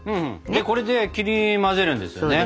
でこれで切り混ぜるんですよね？